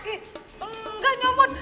ih enggak nyamun